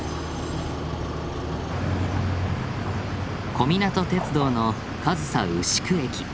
小湊鐵道の上総牛久駅。